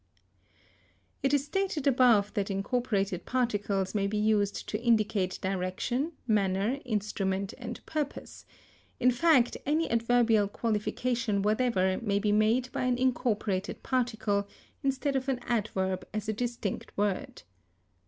It is stated above that incorporated particles may be used to indicate direction, manner, instrument, and purpose; in fact, any adverbial qualification whatever may be made by an incorporated particle instead of an adverb as a distinct word.